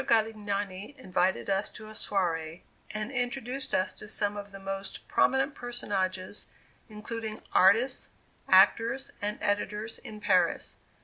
Galignani invited us to a soiree and introduced us to some of the most prominent personages, including artists, actors and editors, in Paris.